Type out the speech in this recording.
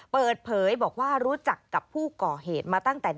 เปิดเผยบอกว่ารู้จักกับผู้ก่อเหตุมาตั้งแต่